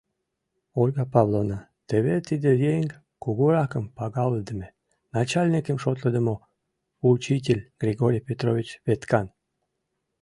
— Ольга Павловна, теве тиде еҥ — кугуракым пагалыдыме, начальникым шотлыдымо учитель Григорий Петрович Веткан.